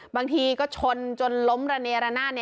บางทีก็ชนจนล้มระเนระนาด